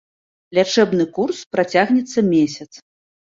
Лячэбны курс працягнецца месяц.